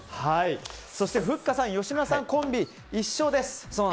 そしてふっかさん、吉村さんコンビは１勝です。